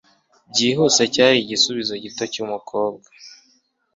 byihuse cyari igisubizo gito cyumukobwa